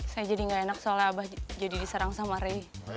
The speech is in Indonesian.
saya jadi gak enak soalnya abah jadi diserang sama ray